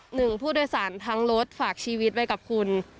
หนึ่งผู้โดยสารทั้งรถฝากชีวิตไว้กับคุณ